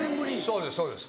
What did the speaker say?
そうですそうです。